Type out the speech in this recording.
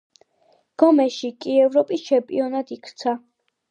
გომეში კი ევროპის ჩემპიონად იქცა.